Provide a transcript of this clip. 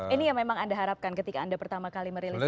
ini yang memang anda harapkan ketika anda pertama kali merilis